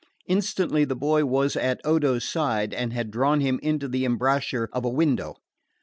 Instantly the boy was by Odo's side and had drawn him into the embrasure of a window.